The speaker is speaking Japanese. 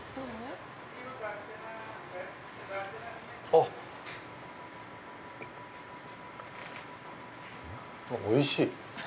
あっ、おいしい！